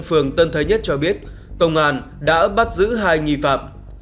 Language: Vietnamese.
phường tân thới nhất cho biết công an đã bắt giữ hai nghi phạm